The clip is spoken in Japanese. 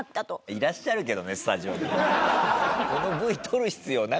いらっしゃるけどねスタジオに。